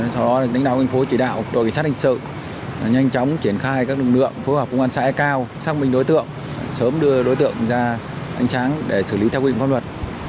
sau đó đánh đạo thành phố chỉ đạo đội cảnh sát hình sự nhanh chóng triển khai các lực lượng phối hợp công an xã e cao xác minh đối tượng sớm đưa đối tượng ra ánh sáng để xử lý theo quy định pháp luật